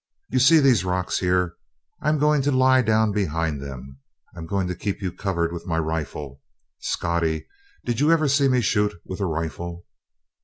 You see these rocks, here? I'm goin' to lie down behind them. I'm going to keep you covered with my rifle. Scottie, did you ever see me shoot with a rifle?"